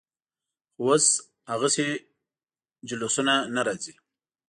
خو اوس هغسې جلوسونه نه راځي.